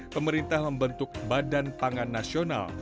pemerintah membentuk badan pangan nasional